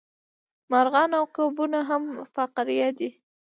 مارغان او کبونه هم فقاریه دي